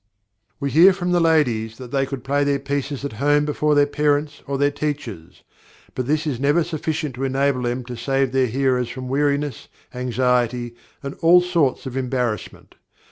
We hear from the ladies that they could play their pieces at home before their parents or their teachers; but this is never sufficient to enable them to save their hearers from weariness, anxiety, and all sorts of embarrassment.